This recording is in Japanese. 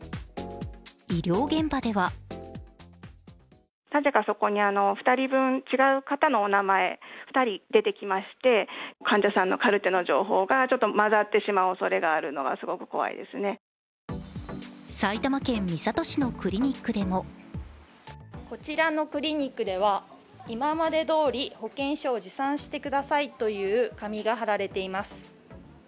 医療現場では埼玉県三郷市のクリニックでもこちらのクリニックでは今までどおり保険証を持参してくださいという紙が貼られています。